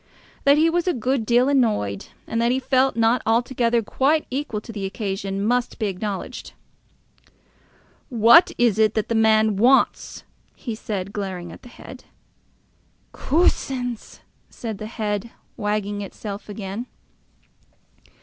That he was a good deal annoyed, and that he felt not altogether quite equal to the occasion, must be acknowledged. "What is it that the man wants?" he said, glaring at the head. "Coosins!" said the head, wagging itself again.